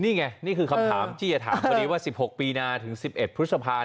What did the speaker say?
นี่ไงนี่คือคำถามที่จะถามคนนี้ว่า๑๖ปีนาถึง๑๑พฤษภา